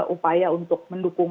upaya untuk mendukung